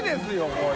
これ。